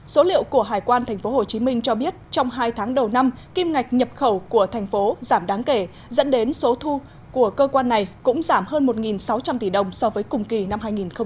số liệu của hải quan tp hcm cho biết trong hai tháng đầu năm kim ngạch nhập khẩu của thành phố giảm đáng kể dẫn đến số thu của cơ quan này cũng giảm hơn một sáu trăm linh tỷ đồng so với cùng kỳ năm hai nghìn một mươi chín